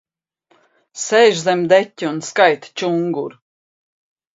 Sēž zem deķa un skaita čunguru.